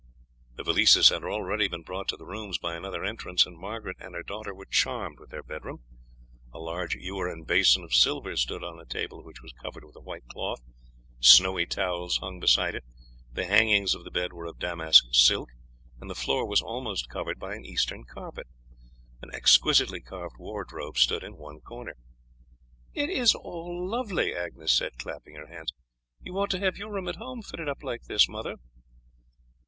The valises had already been brought to the rooms by another entrance, and Margaret and her daughter were charmed with their bedroom. A large ewer and basin of silver stood on a table which was covered with a white cloth, snowy towels hung beside it; the hangings of the bed were of damask silk, and the floor was almost covered by an Eastern carpet. An exquisitely carved wardrobe stood in one corner. "It is all lovely!" Agnes said, clapping her hands. "You ought to have your room at home fitted up like this, mother."